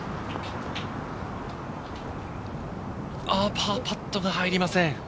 パーパットが入りません。